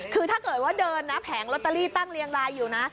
คือถ้าเกิดว่าเดินนะแผงลอตเตอรี่ตั้งเรียงรายอยู่นะ